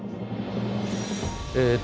えっと